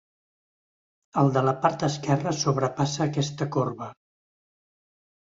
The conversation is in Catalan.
El de la part esquerra sobrepassa aquesta corba.